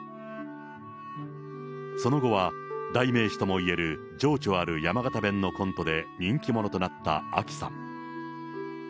その後は、代名詞ともいえる情緒ある山形弁のコントで人気者となったあきさん。